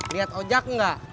liat ojak enggak